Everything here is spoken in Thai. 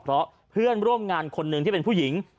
เพราะเพื่อนร่วมงานคนหนึ่งที่เป็นผู้หญิง